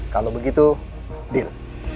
kalau begitu deal